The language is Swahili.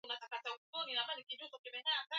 hakikisha umemenya viazi kabla ya kupika